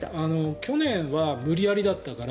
去年は無理やりだったから。